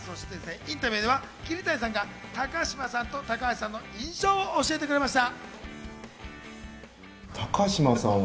インタビューでは桐谷さんが高嶋さんと高橋さんの印象を教えてくれました。